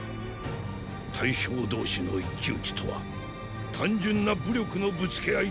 大将同士の一騎討ちとは単純な武力のぶつけ合いではないと言う。